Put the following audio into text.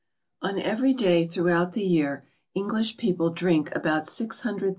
On every day throughout the year English people drink about 600,000 lb.